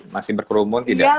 masih berkerumun tidak